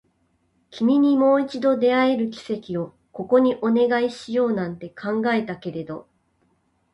君にもう一度出会える奇跡をここにお願いしようなんて考えたけれど